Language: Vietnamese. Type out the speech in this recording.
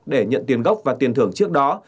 để nhận tiền gốc và tiền thưởng trước đó